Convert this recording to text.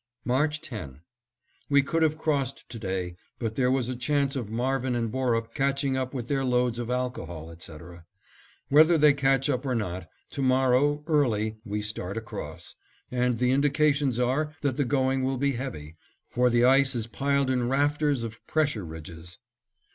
March 10: We could have crossed to day, but there was a chance of Marvin and Borup catching up with their loads of alcohol, etc. Whether they catch up or not, to morrow, early, we start across, and the indications are that the going will be heavy, for the ice is piled in rafters of pressure ridges.